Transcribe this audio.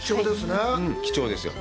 貴重ですね。